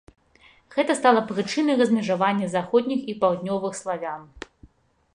Гэта стала прычынай размежавання заходніх і паўднёвых славян.